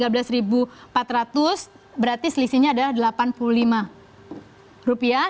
berarti selisihnya adalah delapan puluh lima